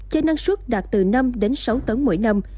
cho năng suất đạt từ năm đến sáu tấn mỗi năm